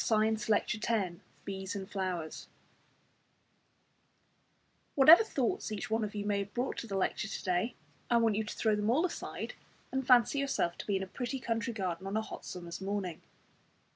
Week 28 Lecture X BEES AND FLOWERS Whatever thoughts each one of you may have brought to the lecture to day, I want you to throw them all aside and fancy yourself to be in a pretty country garden on a hot summer's morning.